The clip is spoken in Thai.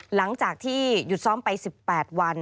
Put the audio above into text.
หลังจากที่หยุดซ้อมไป๑๘วัน